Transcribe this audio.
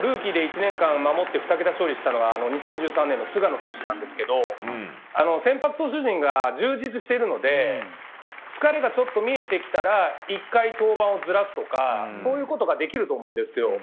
ルーキーで１年間守って２桁勝利したのは２０１３年の菅野投手なんですが先発投手陣が充実しているので疲れがちょっと見えてきたら１回、登板をずらすとかそういうことができると思うんですよ。